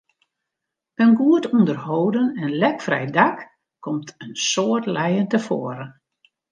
In goed ûnderholden en lekfrij dak komt in soad lijen tefoaren.